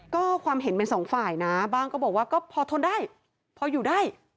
ก็ความเห็นเป็นสองฝ่ายนะบ้างก็บอกว่าก็พอทนได้พออยู่ได้